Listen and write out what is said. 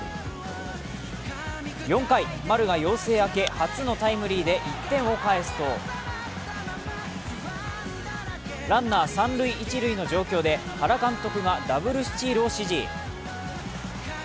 ４回、丸が陽性明け初のタイムリーで１点を返すとランナー三塁・一塁の状況で原監督がダブルスチールを指示。